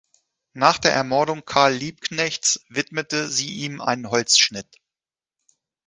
Nach der Ermordung Karl Liebknechts widmete sie ihm einen Holzschnitt.